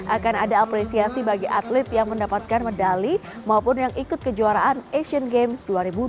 akan ada apresiasi bagi atlet yang mendapatkan medali maupun yang ikut kejuaraan asian games dua ribu delapan belas